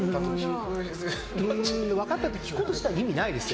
分かったって聞くこと自体意味ないですよ。